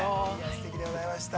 ◆すてきでございました。